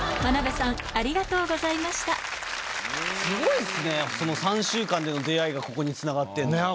すごいですね３週間での出会いがここにつながってるの。